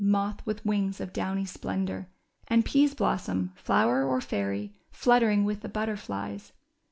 Moth with wings of downy splendor ; And Peasblossom, flower or fairy, fluttering with the but terflies